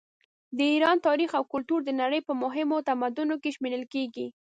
د ایران تاریخ او کلتور د نړۍ په مهمو تمدنونو کې شمېرل کیږي.